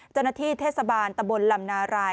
เจ้าหน้าที่เทศบาลตะบนลำนาราย